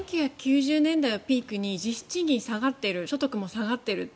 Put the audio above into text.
１９９０年代をピークに実質賃金下がっている所得も下がっている。